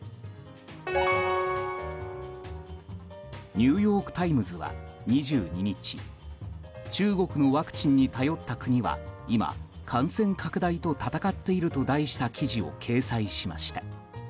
ニューヨーク・タイムズは２２日中国のワクチンに頼った国は今、感染拡大と戦っていると題した記事を掲載しました。